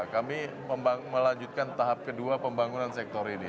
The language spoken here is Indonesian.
kita akan melanjutkan tahap kedua pembangunan sektor ini